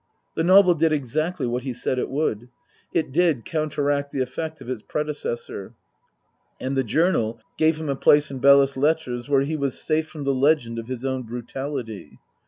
The novel did exactly what he said it would. It did counteract the effect of its predecessor ; and the " Journal " gave him a place in Belles Lettres where he was safe from the legend of his own brutality.